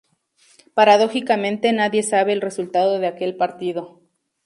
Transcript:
Paradójicamente nadie sabe el resultado de aquel partido.